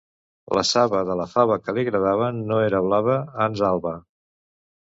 La saba de la fava que li agradava no era blava, ans alba